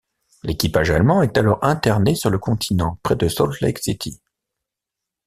L'équipage allemand est alors interné sur le continent près de Salt Lake City.